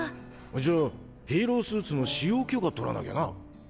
じゃあヒーロースーツの使用許可取らなきゃな。